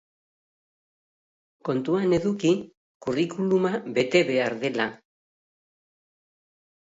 Kontuan eduki curriculuma bete behar dela.